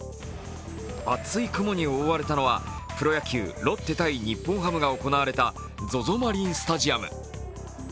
厚い雲に覆われたのはプロ野球ロッテ×日本ハムが行われたＺＯＺＯマリンスタジアム。